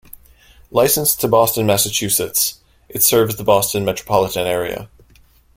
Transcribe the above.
Licensed to Boston, Massachusetts, it serves the Boston metropolitan area.